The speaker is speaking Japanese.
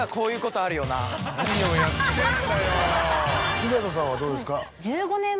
古畑さんはどうですか？